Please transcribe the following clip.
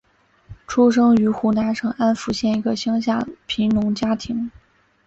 出生于湖南省安福县一个乡下贫农家庭。